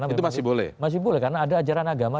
itu masih boleh masih boleh karena ada ajaran agama